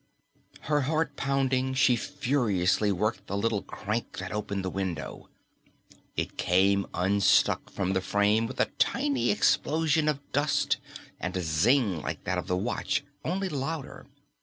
Her heart pounding, she furiously worked the little crank that opened the window. It came unstuck from the frame with a tiny explosion of dust and a zing like that of the watch, only louder.